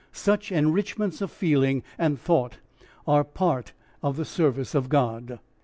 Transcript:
Such enrichments of feeling and thought are part of the service of God.